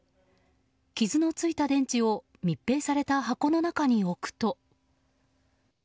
傷のついた電池を密閉された箱の中に置くと。